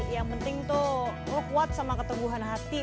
yang penting tuh lo kuat sama ketumbuhan hati